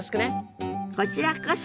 こちらこそ。